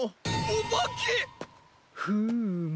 フーム。